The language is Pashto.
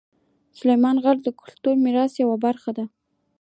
سلیمان غر د کلتوري میراث یوه برخه ده.